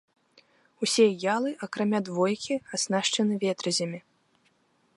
Усе ялы, акрамя двойкі, аснашчаны ветразямі.